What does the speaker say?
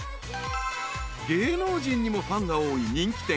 ［芸能人にもファンが多い人気店］